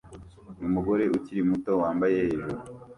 Umugore ukiri muto wambaye hejuru